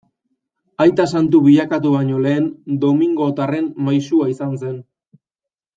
Aita Santu bilakatu baino lehen Domingotarren Maisua izan zen.